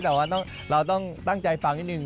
แต่ว่าเราต้องตั้งใจฟังนิดนึง